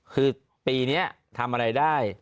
คือปีนี้ทำอะไรได้